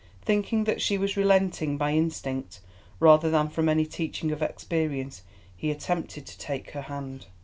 Thinking that she was relenting, by instinct, rather than from any teaching of experience, he attempted to take her hand.